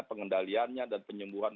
pengendaliannya dan penyembuhan